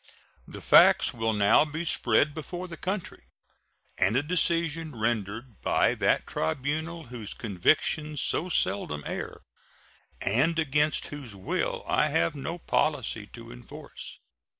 The facts will now be spread before the country, and a decision rendered by that tribunal whose convictions so seldom err, and against whose will I have no policy to enforce.